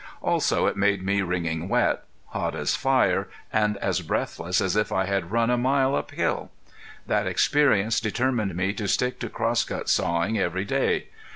Also it made me wringing wet, hot as fire, and as breathless as if I had run a mile up hill. That experience determined me to stick to crosscut sawing every day.